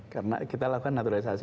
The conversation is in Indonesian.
karena kita lakukan naturalisasi